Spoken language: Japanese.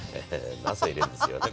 なすを入れるんですよね。